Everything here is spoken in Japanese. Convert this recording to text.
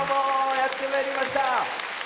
やってまいりました。